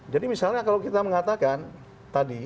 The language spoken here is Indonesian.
jadi misalnya kalau kita mengatakan tadi